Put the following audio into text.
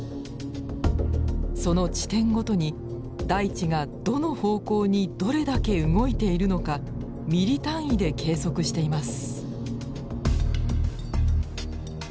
その地点ごとに大地がどの方向にどれだけ動いているのかミリ単位で計測しています。